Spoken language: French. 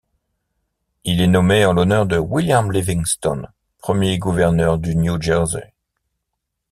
Il est nommé en l'honneur de William Livingston, premier Gouverneur du New Jersey.